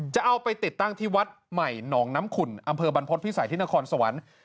จะเอาไปติดตั้งที่วัดใหม่หนองน้ำขุ่นอำเภอบรรพฤษภิษัยที่นครสวรรค์